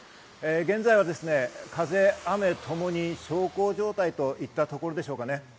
現在は風、雨ともに小康状態といったところでしょうかね。